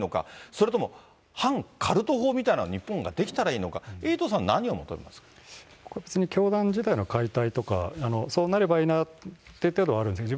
それとも反カルト法みたいなのが日本が出来たらいいのか、エイトこれ、教団自体の解体とかそうなればいいなっていう程度はあるんですね。